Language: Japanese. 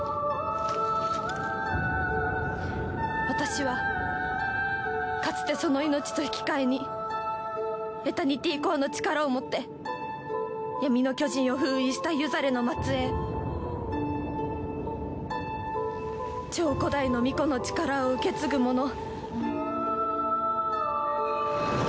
私はかつてその命と引き換えにエタニティコアの力をもって闇の巨人を封印したユザレの末えい超古代の巫女の力を受け継ぐ者。